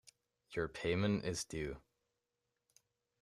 Your payment is due.